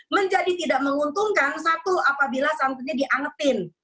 menjadi tidak menguntungkan satu apabila santrinya diangetin